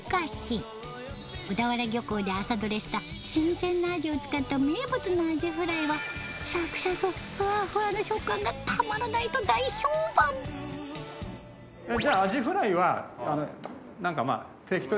小田原漁港で朝獲れした新鮮なアジを使った名物のアジフライはサクサクフワフワの食感がたまらないと大評判えっ？